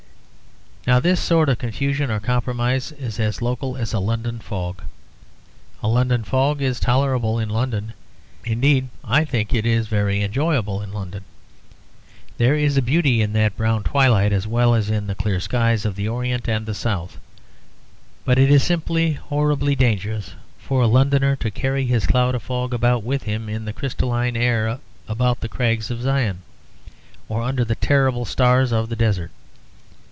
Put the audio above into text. Now this sort of confusion or compromise is as local as a London fog. A London fog is tolerable in London, indeed I think it is very enjoyable in London. There is a beauty in that brown twilight as well as in the clear skies of the Orient and the South. But it is simply horribly dangerous for a Londoner to carry his cloud of fog about with him, in the crystalline air about the crags of Zion, or under the terrible stars of the desert.